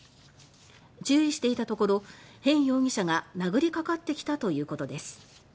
注意していたところヘン容疑者が殴りかかってきたということです